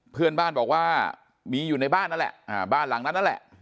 เพื่อนบ้านบอกว่ามีอยู่ในบ้านนั่นแหละบ้านหลังนั้นนั่นแหละ